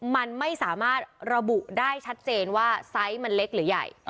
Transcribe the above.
มันไม่สามารถระบุได้ชัดเจนว่าไซส์มันเล็กหรือใหญ่